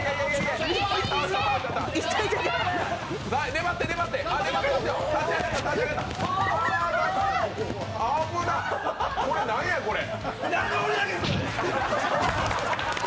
粘って、粘って危なっ、これなんや、これ。